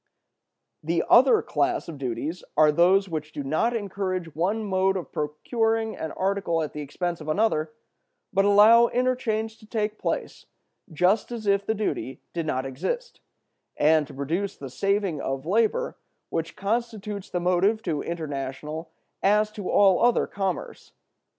"The other class of duties are those which do not encourage one mode of procuring an article at the expense of another, but allow interchange to take place just as if the duty did not exist, and to produce the saving of labor which constitutes the motive to international as to all other commerce.